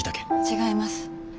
違います。